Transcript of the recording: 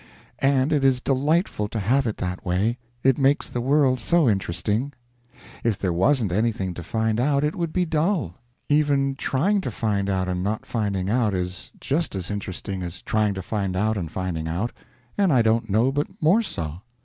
And it is delightful to have it that way, it makes the world so interesting. If there wasn't anything to find out, it would be dull. Even trying to find out and not finding out is just as interesting as trying to find out and finding out, and I don't know but more so.